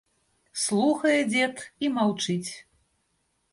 Слухае дзед і маўчыць.